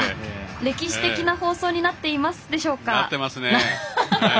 歴史的な放送になっていますでしょうか？